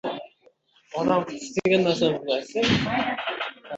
Boqqa kirsam, uning haykalini buzishyapti